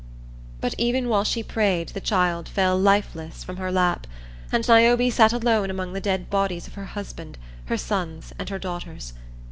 But even while she prayed the child fell lifeless from her lap, and Niobe sat alone among the dead bodies of her husband, her sons and her daughters.